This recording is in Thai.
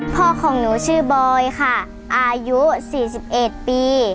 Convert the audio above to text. ของหนูชื่อบอยค่ะอายุ๔๑ปี